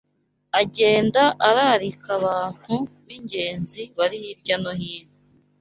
agenda ararika abantu b’ingenzi bari hirya no hino